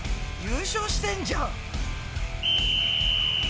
優勝してんじゃん！